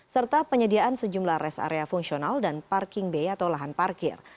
serta penyediaan sejumlah rest area fungsional dan parking bay atau lahan parkir